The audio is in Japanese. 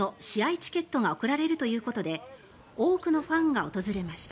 チケットが贈られるということで多くのファンが訪れました。